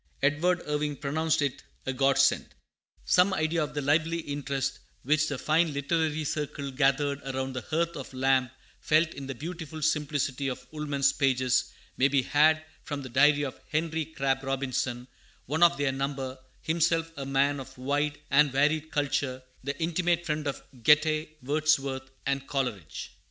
Edward Irving pronounced it a godsend. Some idea of the lively interest which the fine literary circle gathered around the hearth of Lamb felt in the beautiful simplicity of Woolman's pages may be had from the Diary of Henry Crabb Robinson, one of their number, himself a man of wide and varied culture, the intimate friend of Goethe, Wordsworth, and Coleridge.